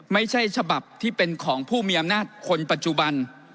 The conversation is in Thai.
ไม่ใช่ฉบับที่เป็นของผู้มีอำนาจคนปัจจุบัน